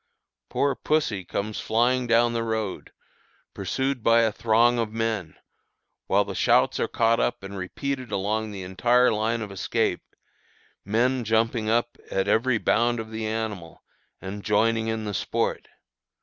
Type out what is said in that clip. Poor pussy comes flying down the road, pursued by a throng, of men, while the shouts are caught up and repeated along the entire line of escape, men jumping up at every bound of the animal, and joining in the sport.